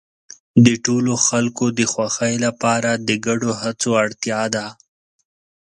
د ټولو خلکو د خوښۍ لپاره د ګډو هڅو اړتیا ده.